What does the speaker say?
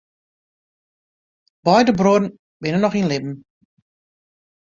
Beide bruorren binne noch yn libben.